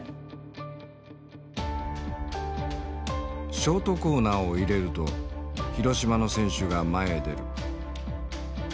ショートコーナーを入れると広島の選手が前へ出る。